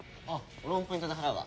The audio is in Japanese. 俺もポイントで払うわ。